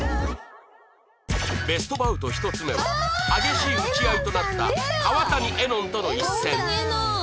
ベストバウト１つ目は激しい打ち合いとなった川谷絵音との一戦